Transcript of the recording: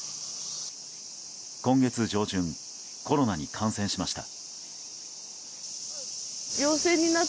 今月上旬コロナに感染しました。